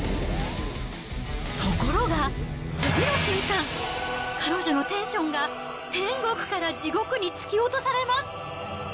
ところが、次の瞬間、彼女のテンションが天国から地獄に突き落とされます。